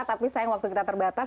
tapi sayang waktu kita terbatas